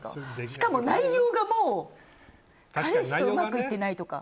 しかも内容が彼氏とうまくいってないとか。